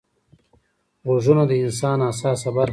غوږونه د انسان حساسه برخه ده